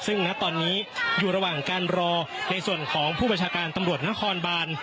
ซึ่งณตอนนี้อยู่ระหว่างการรอในส่วนของผู้ประชาการตำรวจนครบาน